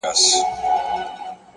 اوس عجيبه جهان كي ژوند كومه!